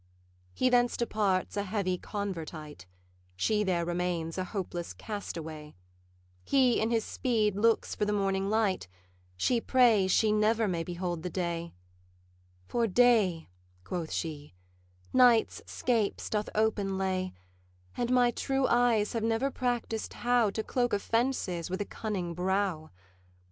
He thence departs a heavy convertite; She there remains a hopeless castaway; He in his speed looks for the morning light; She prays she never may behold the day, 'For day,' quoth she, 'night's scapes doth open lay, And my true eyes have never practised how To cloak offences with a cunning brow.